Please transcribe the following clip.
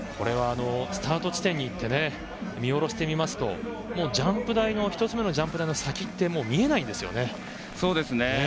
スタート地点に行って見下ろしてみますと１つ目のジャンプ台の先は見えないんですよね。